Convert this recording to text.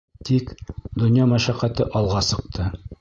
Тик... донъя мәшәҡәте алға сыҡты.